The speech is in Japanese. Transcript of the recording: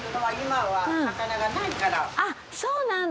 あっそうなんだ。